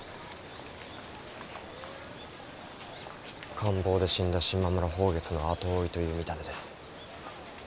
感冒で死んだ島村抱月の後追いという見立てです。